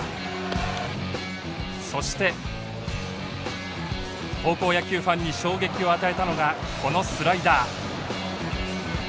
そして高校野球ファンに衝撃を与えたのがこのスライダー。